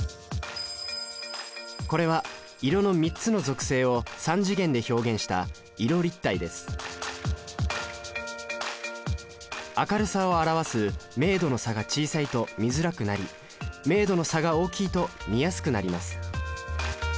これは色の３つの属性を３次元で表現した明るさを表す明度の差が小さいと見づらくなり明度の差が大きいと見やすくなります。